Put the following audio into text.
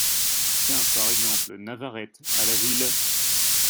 Tiens, par exemple, Navarette, à la ville …